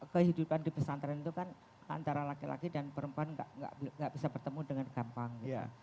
kehidupan di pesantren itu kan antara laki laki dan perempuan tidak bisa bertemu dengan gampang